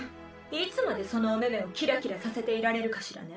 いつまでそのおめめをキラキラさせていられるかしらね。